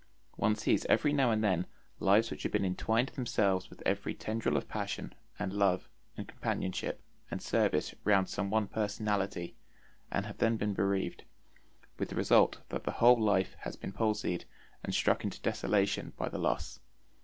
One sees every now and then lives which have entwined themselves with every tendril of passion and love and companionship and service round some one personality, and have then been bereaved, with the result that the whole life has been palsied and struck into desolation by the loss.